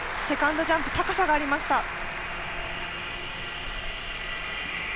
セカンドジャンプ高さがありました。